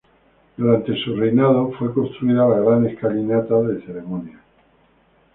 Durante su reinado fue construida la gran escalinata de ceremonias.